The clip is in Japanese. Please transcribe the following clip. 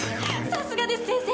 さすがです先生。